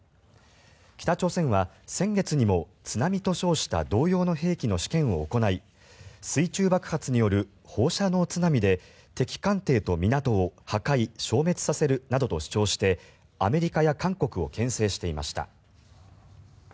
北朝鮮は先月にも「津波」と称した同様の兵器の試験を行い水中爆発による放射能津波で敵艦艇と港を破壊消滅させるなどと主張してアメリカや韓国をけん制していました。